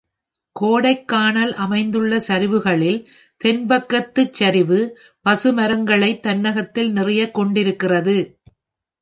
கோடைக்கானல் அமைந்துள்ள சரிவுகளில் தென்பக்கத்துச் சரிவு, பசு மரங்களைத் தன்னகத்தில் நிறையக் கொண்டிருக்கிறது.